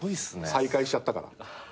再開しちゃったから。